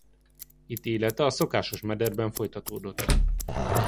Itt élete a szokásos mederben folytatódott.